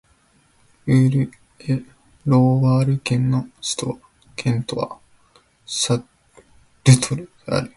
ウール＝エ＝ロワール県の県都はシャルトルである